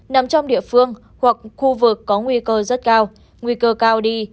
nằm trong địa phương hoặc khu vực có nguy cơ rất cao nguy cơ cao đi